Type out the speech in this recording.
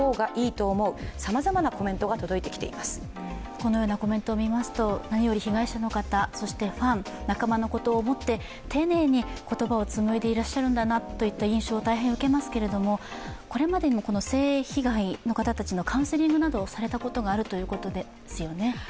このようなコメントを見ますと何より被害者の方、そしてファン、仲間のことを思って丁寧に言葉をつむいでいらっしゃるんだなという印象を大変受けますけれども、これまでに性被害の方たちのカウンセリングなどをされたことがあるということですよね。